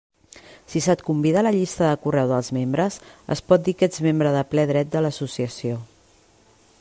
Si se't convida a la llista de correu dels membres, es pot dir que ets membre de ple dret de l'associació.